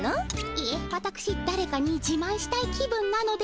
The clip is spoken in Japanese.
いえわたくしだれかにじまんしたい気分なのです。